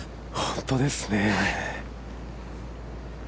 本当ですね。